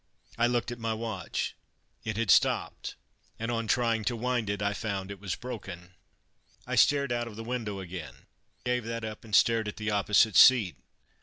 I looked at my watch; it had stopped, and on trying to wind it I found it was broken. I stared out of the window again; gave that up, and stared at the opposite seat.